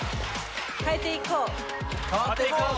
変えていこう。